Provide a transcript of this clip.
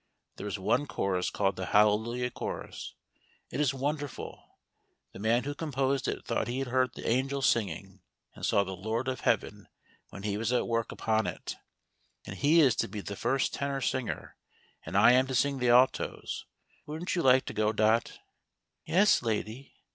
There is one chorus called the 'Hallelujah Chorus' — it is wonder ful: the man who composed it thought he heard the angels singing and saw the Lord of Heaven, when he was at work upon it ; and he is to be the first tenor singer, and / am to sing the altos — wouldn't you like to go. Dot 1 "" Yes, lady.